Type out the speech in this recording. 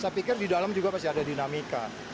saya pikir di dalam juga pasti ada dinamika